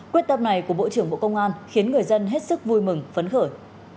quyết tâm này của bộ trưởng bộ công an khiến người dân hết sức vui mừng phấn khởi